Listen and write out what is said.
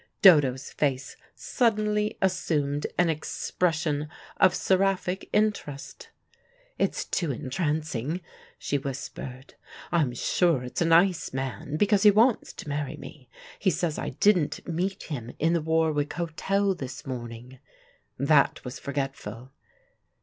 Dodo's face suddenly assumed an expression of seraphic interest. "It's too entrancing," she whispered. "I'm sure it's a nice man, because he wants to marry me. He says I didn't meet him in the Warwick Hotel this morning. That was forgetful.